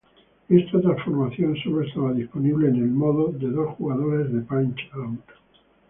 Esta transformación solo estaba disponible en el modo de dos jugadores de Punch-Out!!